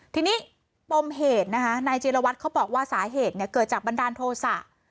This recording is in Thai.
ทีนี้ปมเหตุนะคะนายจีรวัตรเขาบอกว่าสาเหตุเกิดจากบันดาลโทษะ